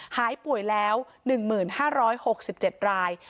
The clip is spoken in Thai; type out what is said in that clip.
หายป่วยแล้ว๑๕๖๗ราย